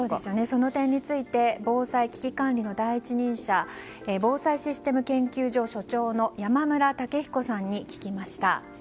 その点について防災・危機管理の第一人者防災システム研究所所長の山村武彦さんに聞きました。